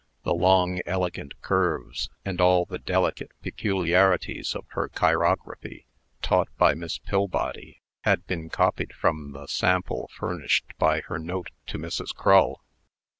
The long, elegant curves, and all the delicate peculiarities of her chirography, taught by Miss Pillbody, had been copied from the sample furnished by her note to Mrs. Crull.